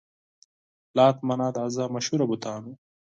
لات، منات، عزا مشهور بتان وو.